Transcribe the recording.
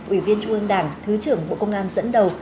ủy viên trung ương đảng thứ trưởng bộ công an dẫn đầu